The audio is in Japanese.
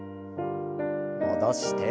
戻して。